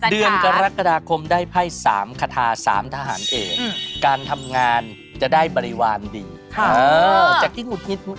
เออจากที่หงุดนิดต้อง